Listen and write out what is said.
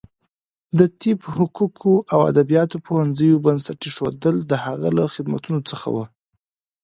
د طب، حقوقو او ادبیاتو پوهنځیو بنسټ ایښودل د هغه له خدمتونو څخه و.